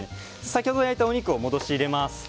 先ほど焼いたお肉を戻し入れます。